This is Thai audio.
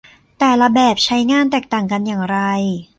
แต่ละแบบใช้งานแตกต่างกันอย่างไร